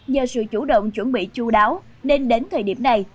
nhờ sự chủ động chuẩn bị chú đáo nên đến thời điểm này